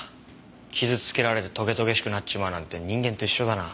傷つけられてとげとげしくなっちまうなんて人間と一緒だな。